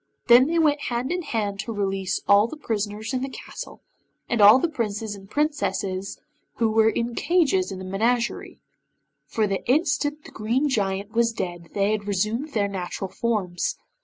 Then they went hand in hand to release all the prisoners in the castle, and all the Princes and Princesses who were in cages in the menagerie, for the instant the Green Giant was dead they had resumed their natural forms.